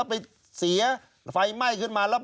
ไปเสียไฟไหม้ขึ้นมา